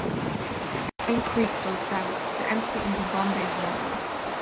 Thane Creek flows south to empty into Bombay Harbour.